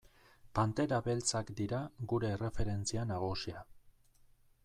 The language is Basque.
Pantera Beltzak dira gure erreferentzia nagusia.